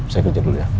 saya kerja dulu ya